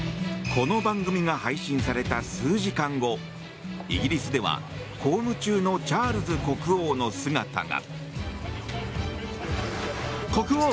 この番組が配信された数時間後イギリスでは公務中のチャールズ国王の姿が。